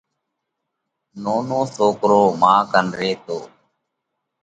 نونو سوڪرو مان ڪنَ ريتو۔